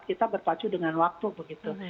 kita berpacu dengan waktu begitu